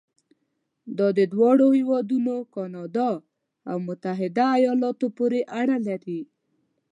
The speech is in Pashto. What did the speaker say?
دا د دواړو هېوادونو کانادا او متحده ایالاتو پورې اړه لري.